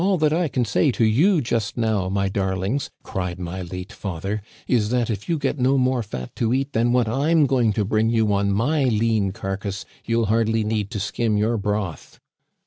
* AH that I can say to you just now, my darlings,' cried my late father, * is that if you get no more fat to eat than what I'm going to bring you on my lean car cass you'll hardly need to skim your broth.